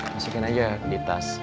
masukin aja di tas